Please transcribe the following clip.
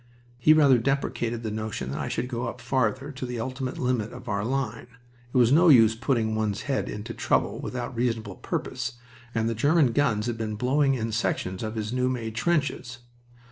He rather deprecated the notion that I should go up farther, to the ultimate limit of our line. It was no use putting one's head into trouble without reasonable purpose, and the German guns had been blowing in sections of his new made trenches.